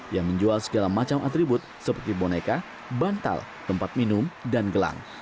yang menjual segala macam atribut seperti boneka bantal tempat minum dan gelang